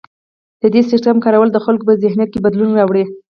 د دې سیستم کارول د خلکو په ذهنیت کې بدلون راوړي.